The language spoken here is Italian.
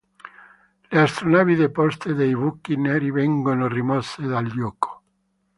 Le astronavi deposte nei buchi neri vengono rimosse dal gioco.